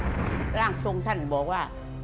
หลานสองท่านบอกว่า